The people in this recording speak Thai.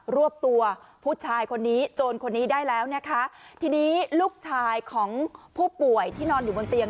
รวบตัวผู้ชายคนนี้โจรคนนี้ได้แล้วนะคะทีนี้ลูกชายของผู้ป่วยที่นอนอยู่บนเตียง